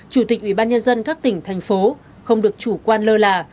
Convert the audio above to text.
chủ tịch ủy ban nhân dân các tỉnh thành phố không được chủ quan lơ là